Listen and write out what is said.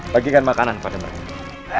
bagikan makanan pada mereka